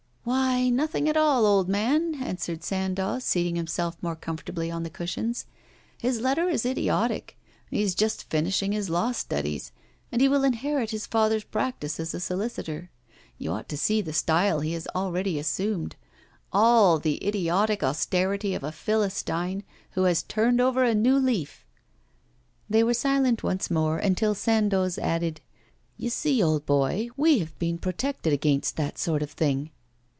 'Why, nothing at all, old man,' answered Sandoz, seating himself more comfortably on the cushions. 'His letter is idiotic. He is just finishing his law studies, and he will inherit his father's practice as a solicitor. You ought to see the style he has already assumed all the idiotic austerity of a philistine, who has turned over a new leaf.' They were silent once more until Sandoz added, 'You see, old boy, we have been protected against that sort of thing.